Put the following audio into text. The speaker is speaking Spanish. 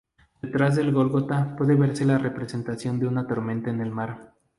Detrás del Gólgota puede verse la representación de una tormenta en el mar.